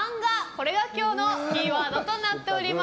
これが今日のキーワードとなっております。